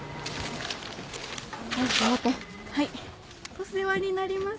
お世話になります。